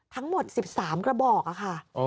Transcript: ทั้งหมด๑๓กระบอกค่ะ